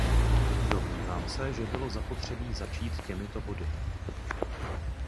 Domnívám se, že bylo zapotřebí začít těmito body.